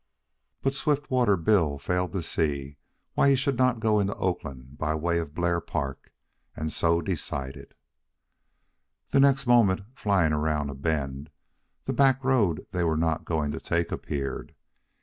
But Swiftwater Bill failed to see why he should not go into Oakland by way of Blair Park, and so decided. The next moment, flying around a bend, the back road they were not going to take appeared.